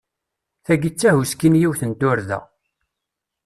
Tagi d tahuski n yiwet n turda.